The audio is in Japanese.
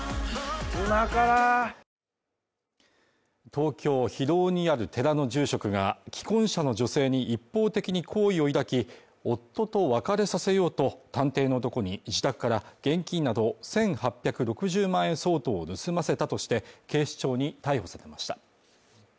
東京・広尾にある寺の住職が既婚者の女性に一方的に好意を抱き、夫と別れさせようと探偵の男に自宅から現金など１８６０万円相当を盗ませたとして、警視庁に逮捕されました。